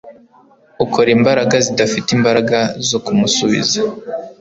Ukora imbaraga zidafite imbaraga zo kumusubiza